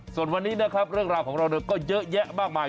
ส่วนวันนี้นะครับเรื่องราวของเราก็เยอะแยะมากมาย